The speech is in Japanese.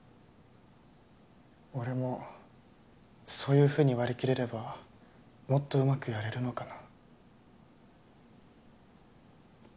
俺もそういうふうに割り切れればもっとうまくやれるのかな。